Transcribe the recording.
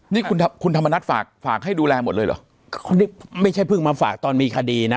นี่คุณคุณธรรมนัฐฝากฝากให้ดูแลหมดเลยเหรอคนนี้ไม่ใช่เพิ่งมาฝากตอนมีคดีนะ